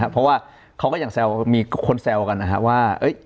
เพราะว่าเขาก็ยังแซวมีคนแซวกันนะครับว่า